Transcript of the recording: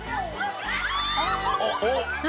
あっおっ！